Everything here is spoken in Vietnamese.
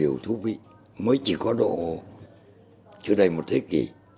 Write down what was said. điều thú vị mới chỉ có độ chưa đầy một thế kỷ